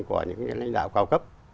của những cái lãnh đạo cao cấp